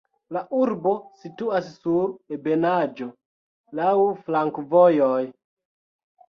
La urbo situas sur ebenaĵo, laŭ flankovojoj.